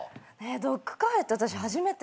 ドッグカフェって私初めて。